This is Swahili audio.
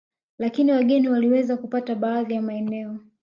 Lakini wageni waliweza kupata baadhi ya maeneo